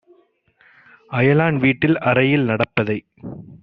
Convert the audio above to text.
அயலான் வீட்டில் அறையில் நடப்பதை